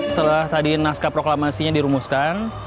setelah tadi naskah proklamasinya dirumuskan